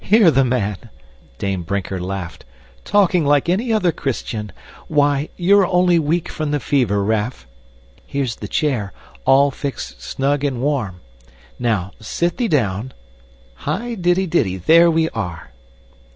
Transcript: "Hear the man!" Dame Brinker laughed "talking like any other Christian! Why, you're only weak from the fever, Raff. Here's the chair, all fixed snug and warm. Now, sit thee down hi di didy there we are!"